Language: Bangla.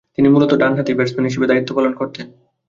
তিনি মূলতঃ ডানহাতি ব্যাটসম্যান হিসেবে দায়িত্ব পালন করতেন।